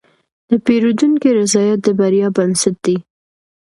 د پیرودونکي رضایت د بریا بنسټ دی.